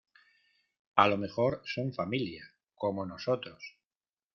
a lo mejor son familia, como nosotros.